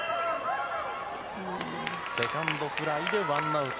セカンドフライでワンアウト。